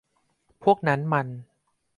พวกนั้นมัน